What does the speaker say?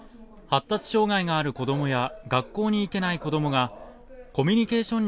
発達障害のある子どもや学校に行けない子供がコミュニケーション